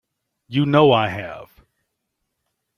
You know I have.